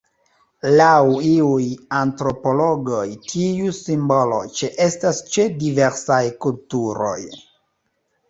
Laŭ iuj antropologoj tiu simbolo ĉeestas ĉe diversaj kulturoj.